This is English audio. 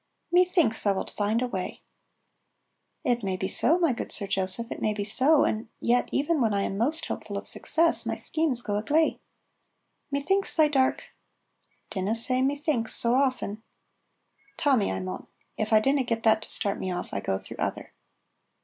"Methinks thou wilt find a way." "It may be so, my good Sir Joseph, it may be so, and yet, even when I am most hopeful of success, my schemes go a gley." "Methinks thy dark " ("Dinna say Methinks so often.") ("Tommy, I maun. If I dinna get that to start me off, I go through other.")